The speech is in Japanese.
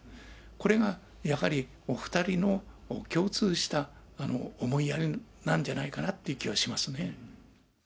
これがやはり、お２人の共通した思いやりなんじゃないかなっていう気はしますね。